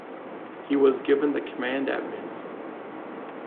He was given the command at Minsk.